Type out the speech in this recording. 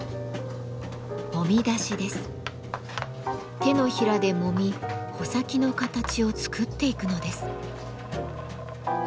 手のひらでもみ穂先の形を作っていくのです。